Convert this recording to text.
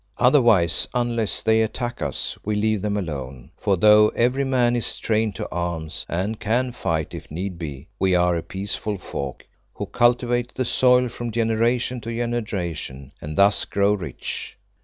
Otherwise, unless they attack us, we leave them alone, for though every man is trained to arms, and can fight if need be, we are a peaceful folk, who cultivate the soil from generation to generation, and thus grow rich.